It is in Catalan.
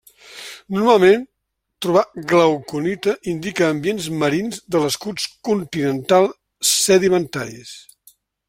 Normalment trobar glauconita indica ambients marins de l'escut continental sedimentaris.